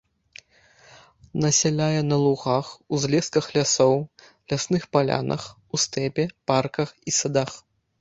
Насяляе на лугах, узлесках лясоў, лясных палянах, у стэпе, парках і садах.